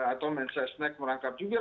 atau mensesnek merangkap jubir